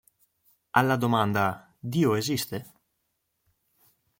Alla domanda "dio esiste?